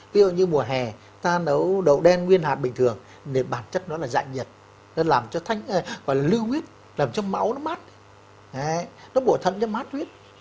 ví dụ như mùa hè ta nấu đậu đen nguyên hạt bình thường thì bản chất nó là dạng nhật nó làm cho lưu huyết làm cho máu nó mát nó bổ thận cho mát huyết